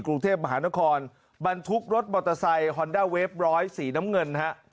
กรุงเทพมหานครบรรทุกรถมอเตอร์ไซค์ฮอนด้าเวฟร้อยสีน้ำเงินฮะ